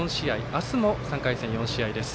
明日も３回戦、４試合です。